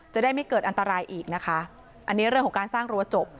จะได้ไม่เกิดอันตรายอีกนะคะอันนี้เรื่องของการสร้างรั้วจบ